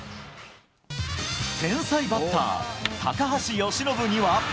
天才バッター、高橋由伸には。